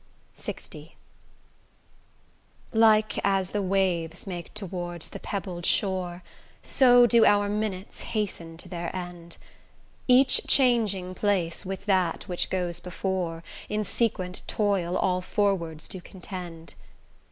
LX Like as the waves make towards the pebbled shore, So do our minutes hasten to their end; Each changing place with that which goes before, In sequent toil all forwards do contend.